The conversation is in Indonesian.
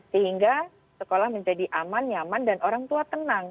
sehingga sekolah menjadi aman nyaman dan orang tua tenang